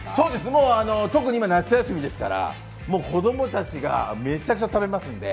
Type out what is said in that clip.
もう、特に今、夏休みですから子供たちがめちゃくちゃ食べますので。